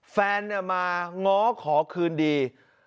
แฟนมาง้อขอคืนดี